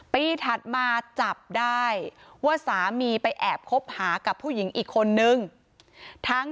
ถัดมาจับได้ว่าสามีไปแอบคบหากับผู้หญิงอีกคนนึง